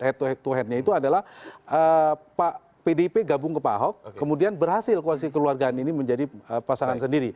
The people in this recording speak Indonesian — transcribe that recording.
head to head to headnya itu adalah pak pdip gabung ke pak ahok kemudian berhasil koalisi keluargaan ini menjadi pasangan sendiri